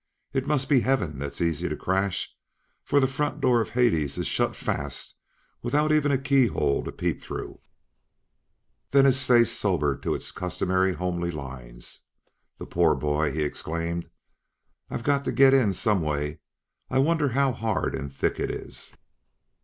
It must be Heaven that's easy to crash, for the front door of Hades is shut fast without even a keyhole to peep through." Then his face sobered to its customary homely lines. "The poor bhoy!" he exclaimed. "I've got to get in some way. I wonder how hard and thick it is."